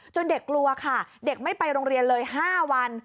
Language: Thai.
เด็กกลัวค่ะเด็กไม่ไปโรงเรียนเลย๕วัน